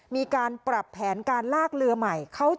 มีการปรับแผนการลากเรือใหม่